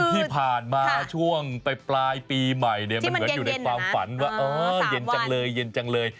ที่ผ่านมาช่วงไปปลายปีใหม่เนี่ยมันเหมือนอยู่ในความฝันว่าเออเย็นจังเลยเย็นจังเลย